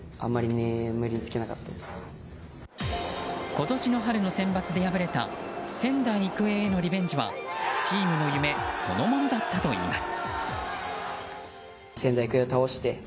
今年の春のセンバツで敗れた仙台育英へのリベンジはチームの夢そのものだったといいます。